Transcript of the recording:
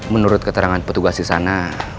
menurut keterangan petugas di sana